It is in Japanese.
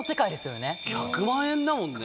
１００万円だもんね。